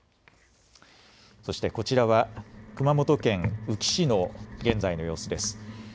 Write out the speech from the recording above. そして、こちらは熊本県宇城市の現在の様子です。